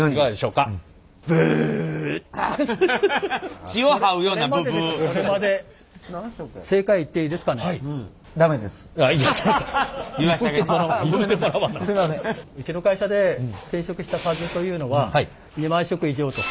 うちの会社で染色した数というのは２万色以上と。